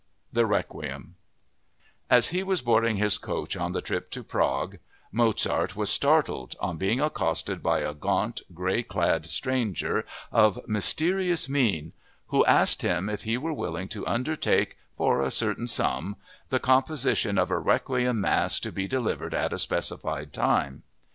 The Requiem As he was boarding his coach on the trip to Prague, Mozart was startled on being accosted by a gaunt, gray clad stranger of mysterious mien who asked him if he were willing to undertake, for a certain sum, the composition of a requiem mass to be delivered at a specified time.